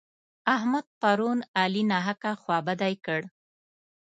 احمد پرون علي ناحقه خوابدی کړ.